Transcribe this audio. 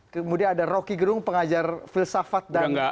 kemudian ada rocky gerung pengajar filsafat dan